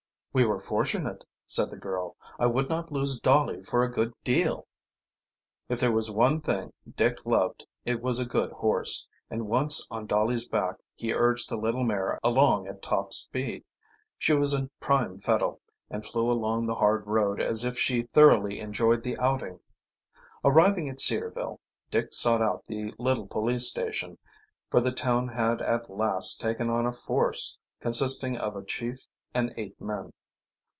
"We were fortunate," said the girl. "I would not lose Dolly for a good deal." If there was one thing Dick loved it was a good horse, and once on Dolly's back he urged the little mare along at top speed. She was in prime fettle, and flew along the hard road as if she thoroughly enjoyed the outing. Arriving at Cedarville Dick sought out the little police station, for the town had at last taken on a force, consisting of a chief and eight men.